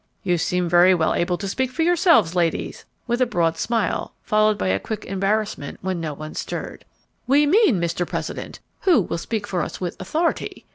"You seem very well able to speak for yourselves, ladies," with a broad smile, followed by a quick embarrassment when no one stirred. "We mean, Mr. President, who will speak for us with _authority?